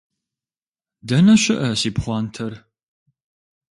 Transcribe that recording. Дэнэ щыӏэ си пхъуантэр?